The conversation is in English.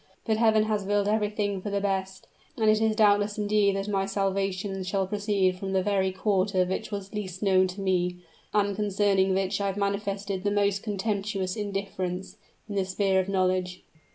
But Heaven has willed everything for the best; and it is doubtless intended that my salvation shall proceed from the very quarter which was least known to me, and concerning which I have manifested the most contemptuous indifference, in the sphere of knowledge!"